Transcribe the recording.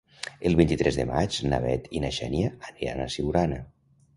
El vint-i-tres de maig na Bet i na Xènia aniran a Siurana.